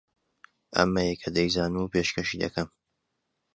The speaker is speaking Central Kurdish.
ئەمەیە کە دەیزانم و پێشکەشی دەکەم